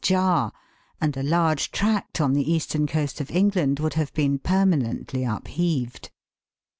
jar, and a large tract on the eastern coast of England would have been permanently upheaved.